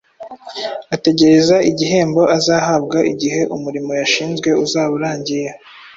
ategereza igihembo azahabwa igihe umurimo yashinzwe uzaba urangiye.